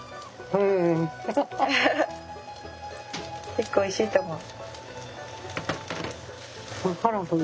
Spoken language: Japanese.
結構おいしいと思う。